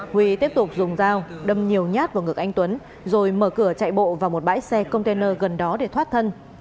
huy tiếp tục dùng dao đâm nhiều nhát vào ngực anh tuấn rồi mở cửa chạy bộ vào một bãi xe container gần đó để thoát thân